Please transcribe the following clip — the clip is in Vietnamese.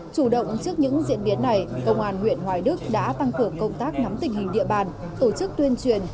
chủ động trước những diễn biến này công an huyện hoài đức đã tăng cường công tác nắm tình hình địa bàn tổ chức tuyên truyền